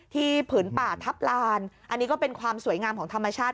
ผืนป่าทัพลานอันนี้ก็เป็นความสวยงามของธรรมชาติ